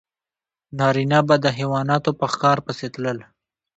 نارینه به د حیواناتو په ښکار پسې تلل.